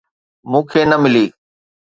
مون کي نه ملي.